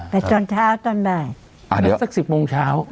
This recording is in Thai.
ไปจนเช้าจนบ่าย